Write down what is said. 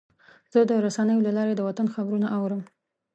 زه د رسنیو له لارې د وطن خبرونه اورم.